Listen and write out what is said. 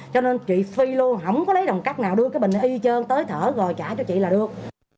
cho nên chị phi luôn không có lấy đồng cắt nào đưa cái bình này y chơn tới thở rồi trả cho chị là được